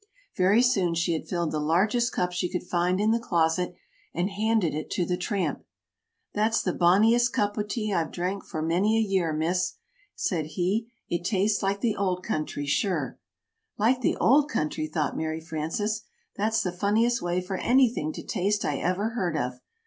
Very soon she had filled the largest cup she could find in the closet, and handed it to the tramp. "That's the bonniest cup o' tea I've drank for mony a year, Miss," said he. "It tastes like the auld country, shure." [Illustration: Half fill the teapot with boiling water.] "Like the old country!" thought Mary Frances. "That's the funniest way for anything to taste I ever heard of.